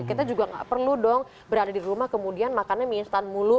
kita juga nggak perlu dong berada di rumah kemudian makannya mie instan mulu